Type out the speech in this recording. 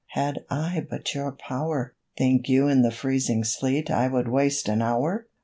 Had I but your power, Think you in the freezing sleet I would waste an hour?